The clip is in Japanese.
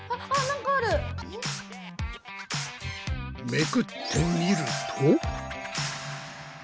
めくってみると。